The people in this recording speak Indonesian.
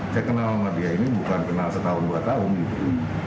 saya kenal sama dia ini bukan kenal setahun dua tahun gitu